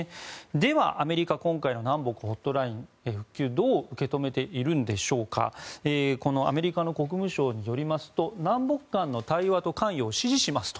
では、アメリカ今回の南北ホットラインを復旧したことをどう受け止めているんでしょうかアメリカの国務省によりますと南北間の対話と関与を支持しますと。